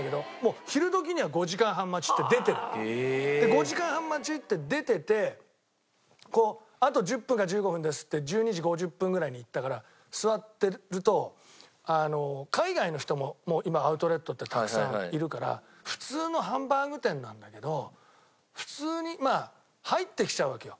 ５時間半待ちって出ててあと１０分か１５分ですって１２時５０分ぐらいに行ったから座ってると海外の人ももう今アウトレットってたくさんいるから普通のハンバーグ店なんだけど普通に入ってきちゃうわけよ。